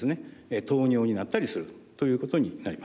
糖尿になったりするということになります。